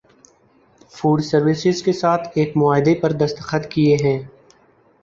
food services کے ساتھ ایک معاہدے پر دستخط کیے ہیں